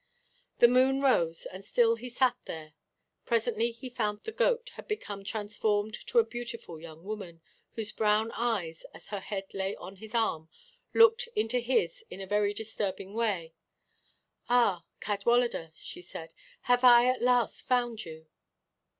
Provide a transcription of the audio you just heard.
The moon rose, and still he sat there. Presently he found that the goat had become transformed to a beautiful young woman, whose brown eyes, as her head lay on his arm, looked into his in a very disturbing way. 'Ah, Cadwaladr,' said she, 'have I at last found you?'